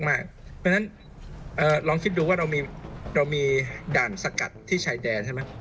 เพราะฉะนั้นลองคิดดูว่าเรามีด่านสกัดที่ชายแดนใช่ไหม